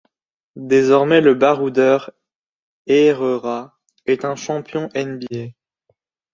Désormais, le baroudeur Herrera est un champion nba.